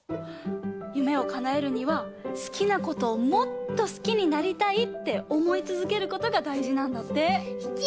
夢をかなえるには好きなことをもっと好きになりたいって思いつづけることがだいじなんだって。